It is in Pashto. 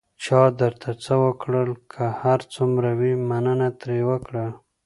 چا درته څه وکړل، که هر څومره وي، مننه ترې وکړه.